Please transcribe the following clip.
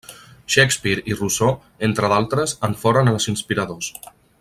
Shakespeare i Rousseau, entre d'altres, en foren els inspiradors.